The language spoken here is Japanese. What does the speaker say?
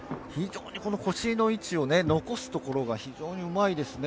腰の位置を残すところが非常にうまいですね。